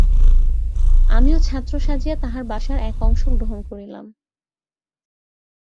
আমিও ছাত্র সাজিয়া তাহার বাসার এক অংশ গ্রহণ করিলাম।